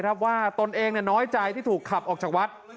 ว่าตนเองน้อยใจที่ถูกขับออกจากวัด